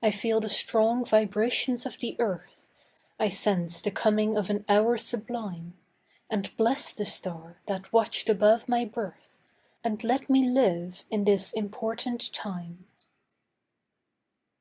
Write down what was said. I feel the strong vibrations of the earth, I sense the coming of an hour sublime, And bless the star that watched above my birth And let me live in this important time.